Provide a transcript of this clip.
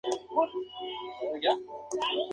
Iris amarillo.